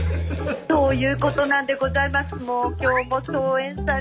そういうことなんでございます。